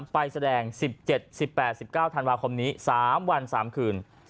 ไปแสดง๑๗๑๘๑๙ธันวาคมนี้๓วัน๓คืน